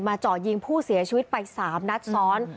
เจาะยิงผู้เสียชีวิตไป๓นัดซ้อน